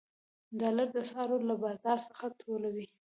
ډالر د اسعارو له بازار څخه ټولوي.